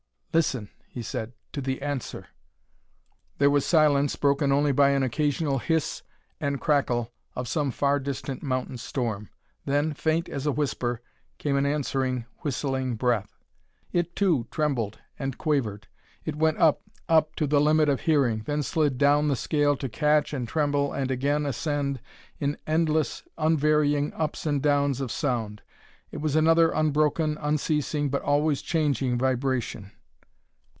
"Listen," he said, "to the answer." There was silence, broken only by an occasional hiss and crackle of some far distant mountain storm. Then, faint as a whisper, came an answering, whistling breath. It, too, trembled and quavered. It went up up to the limit of hearing; then slid down the scale to catch and tremble and again ascend in endless unvarying ups and downs of sound. It was another unbroken, unceasing, but always changing vibration.